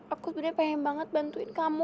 aku sebenarnya pengen banget bantuin kamu